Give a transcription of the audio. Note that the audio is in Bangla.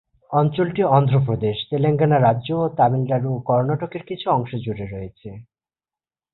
অঞ্চলটি অন্ধ্র প্রদেশ, তেলেঙ্গানা রাজ্য এবং তামিলনাড়ু ও কর্ণাটকের কিছু অংশ জুড়ে রয়েছে।